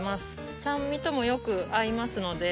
酸味ともよく合いますので。